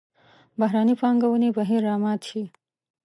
بهرنۍ پانګونې بهیر را مات شي.